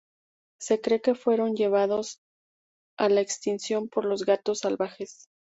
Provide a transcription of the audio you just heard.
Se cree que fueron llevados a la extinción por los gatos salvajes.